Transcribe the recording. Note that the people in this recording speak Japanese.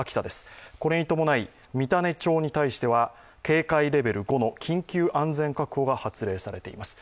これに伴い三種町に対しては警戒レベル５の緊急安全確保が発令されています。